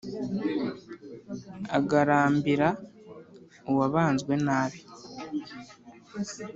agarambira uwabanzwe nabi